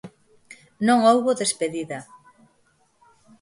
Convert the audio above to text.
Non houbo despedida.